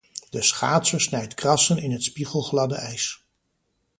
De schaatser snijdt krassen in het spiegelgladde ijs.